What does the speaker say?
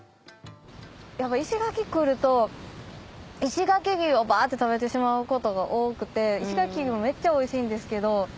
やっぱ石垣来ると石垣牛をバって食べてしまうことが多くて石垣牛もめっちゃおいしいんですけど。